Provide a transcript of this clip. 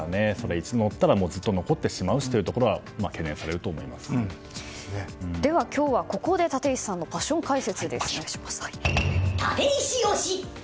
一度載ったらずっと残ってしまうというところがでは今日はここで立石さんのパッション解説です。